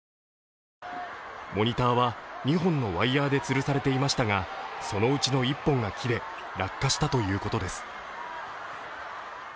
モニターは２本のワイヤーでつるされていましたがそのうちの１本が切れ、落下したということです。